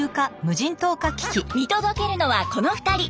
見届けるのはこの２人。